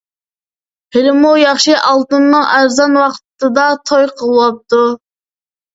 ھېلىمۇ ياخشى ئالتۇننىڭ ئەرزان ۋاقتىدا توي قىلىۋاپتۇ.